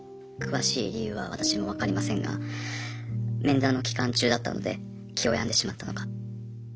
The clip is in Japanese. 詳しい理由は私も分かりませんが面談の期間中だったので気を病んでしまったのか。